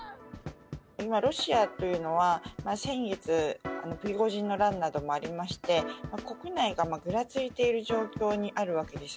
今、ロシアというのは、先月、プリゴジンの乱などもありまして、国内がぐらついている状態にあるわけです。